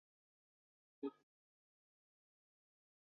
特里沃利镇区为美国堪萨斯州埃尔斯沃思县辖下的镇区。